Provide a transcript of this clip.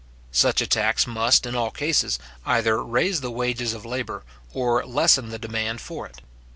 Such a tax must, in all cases, either raise the wages of labour, or lessen the demand for it.